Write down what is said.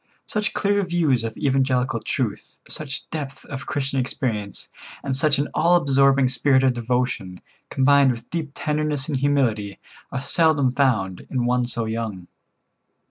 Such clear views of evangelical truth, such depth of Christian experience, and such an all absorbing spirit of devotion, combined with deep tenderness and humility, are seldom found in one so young.